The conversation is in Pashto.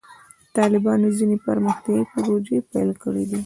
طالبانو ځینې پرمختیایي پروژې پیل کړې دي.